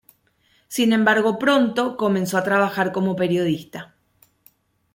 Sin embargo, pronto comenzó a trabajar como periodista.